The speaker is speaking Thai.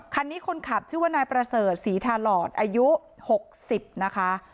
คันนี้คนขับชื่อว่านายประเสริฐศรีทาหลอดอายุ๖๐นะคะ